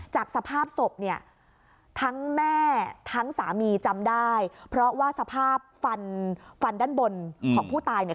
จากสภาพศพเนี่ยทั้งแม่ทั้งสามีจำได้เพราะว่าสภาพฟันฟันด้านบนของผู้ตายเนี่ย